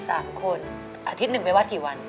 อาทิตย์หนึ่งไม่ว่ากี่วัน